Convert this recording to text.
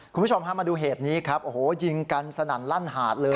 คุณผู้ชมพามาดูเหตุนี้ครับโอ้โหยิงกันสนั่นลั่นหาดเลย